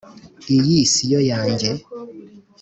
iyi si yo yanjye?!"